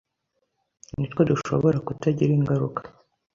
nitwo dushobora kutagira ingaruka